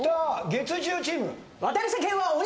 月１０チーム。